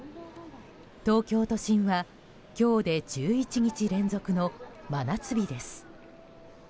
東京都心は今日で１１日連続の真夏日です。